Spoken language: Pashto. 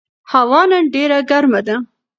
هوا نن ډېره ګرمه ده.